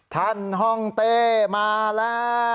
ท่านห้องเต้มาแล้ว